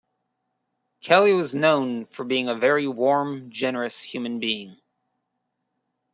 Kelly was known "for being a very warm, generous human being".